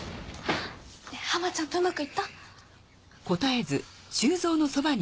ハマちゃんとうまくいった？